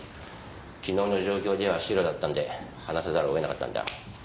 昨日の状況ではシロだったんで放さざるをえなかったんだ。